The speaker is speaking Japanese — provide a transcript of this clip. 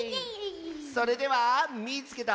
それでは「みいつけた！